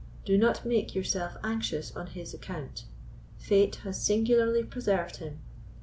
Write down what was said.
Do not make yourself anxious on his account: Fate has singularly preserved him.